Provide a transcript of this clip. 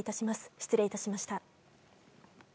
失礼致しました。